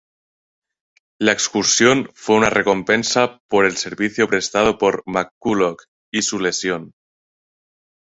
La exclusión fue una recompensa por el servicio prestado por McCulloch y su lesión.